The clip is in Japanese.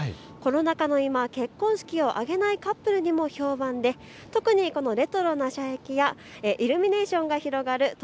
コロナ禍の今、結婚式を挙げないカップルにも評判で特にレトロな駅舎やイルミネーションが広がる